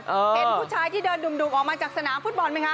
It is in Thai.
เห็นผู้ชายที่เดินดุ่มออกมาจากสนามฟุตบอลไหมคะ